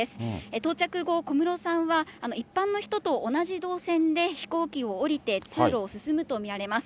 到着後、小室さんは一般の人と同じ動線で飛行機を降りて通路を進むと見られます。